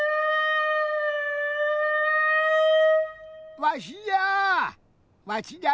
わしじゃ！